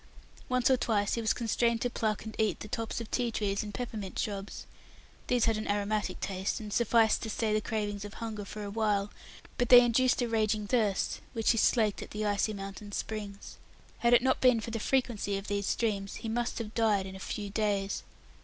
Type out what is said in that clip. Once or twice he was constrained to pluck and eat the tops of tea trees and peppermint shrubs. These had an aromatic taste, and sufficed to stay the cravings of hunger for a while, but they induced a raging thirst, which he slaked at the icy mountain springs. Had it not been for the frequency of these streams, he must have died in a few days.